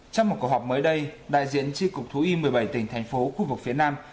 trong một cuộc họp mới đây đại diện tri cục thú y một mươi bảy tỉnh thành phố khu vực phía nam